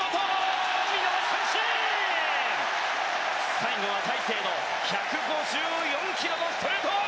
最後は大勢の１５４ｋｍのストレート！